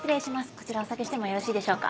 こちらお下げしてもよろしいでしょうか。